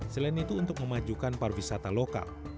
selain itu untuk memajukan pariwisata lokal